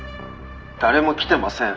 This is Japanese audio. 「誰も来てません」